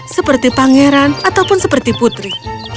seperti pangeran ataupun seperti putri